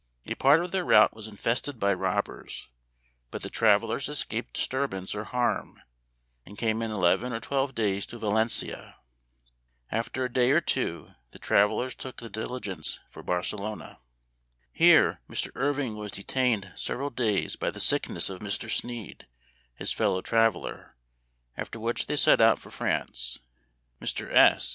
A part of their route was infested by robbers, but the travelers escaped disturbance or harm, and came in eleven or twelve clays to Valencia. After a day or two the travelers took the dili gence for Barcelona. Here Mr. Irving was detained several days by the sickness of Mr. Snead, his fellow traveler, after which they set out for France, Mr. S.